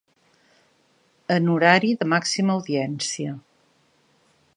En horari de màxima audiència.